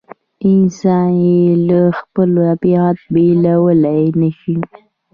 انسان یې له خپل طبیعت بېلولای نه شي.